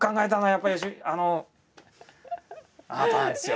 やっぱりあなたなんですよ。